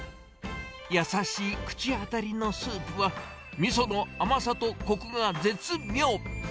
優しい口当たりのスープは、みその甘さとこくが絶妙。